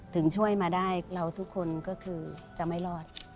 ถึงช่วยมาได้เราทุกคนก็คือจะไม่รอด